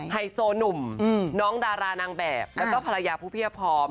ไฮโซหนุ่มน้องดารานางแบบแล้วก็ภรรยาผู้เพียบพร้อม